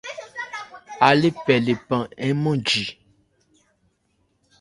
Á lê pɛ lephan nmánji.